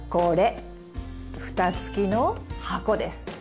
ふた付きの箱です。